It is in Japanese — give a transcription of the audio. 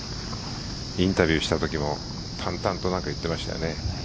インタビューしたときも淡々と何か言っていましたよね。